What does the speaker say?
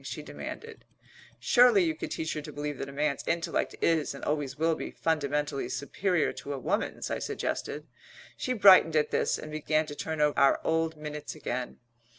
she demanded. "Surely you could teach her to believe that a man's intellect is, and always will be, fundamentally superior to a woman's?" I suggested. She brightened at this and began to turn over our old minutes again.